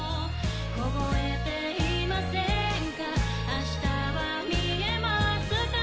凍えていませんか？